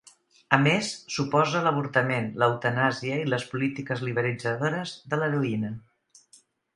A més, s'oposa a l'avortament, l'eutanàsia, i les polítiques liberalitzadores de l'heroïna.